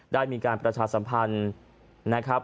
ได้มีการประชาสัมพันธ์นะครับ